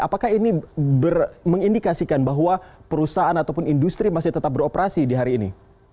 apakah ini mengindikasikan bahwa perusahaan ataupun industri masih tetap beroperasi di hari ini